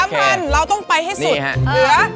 ๓พันเราต้องไปให้สุด